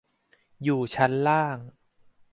อยู่ชั้นล่าง